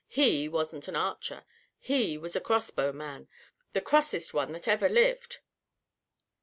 "He wasn't an archer. He was a crossbow man, the crossest one that ever lived.